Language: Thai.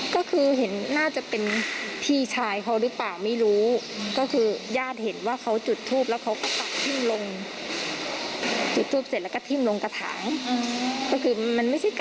ก็คือมันไม่ใช่การขอเข้ามาไง